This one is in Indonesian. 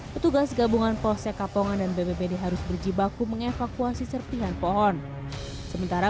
petugas gabungan polsek kapongan dan bpbd harus berjibaku mengevakuasi serpihan pohon sementara